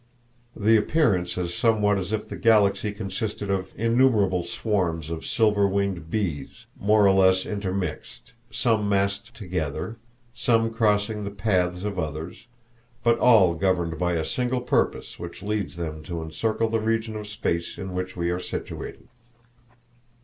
The appearance is somewhat as if the Galaxy consisted of innumerable swarms of silver winged bees, more or less intermixed, some massed together, some crossing the paths of others, but all governed by a single purpose which leads them to encircle the region of space in which we are situated.